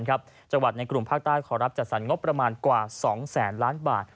จังหวัดในกลุ่มภาคใต้ขอรับจัดสรรงบประมาณ๒๐๐๕๐๐๐บาท